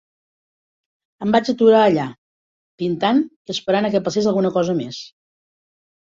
Em vaig aturar allà, pintant i esperant a que passés alguna cosa més.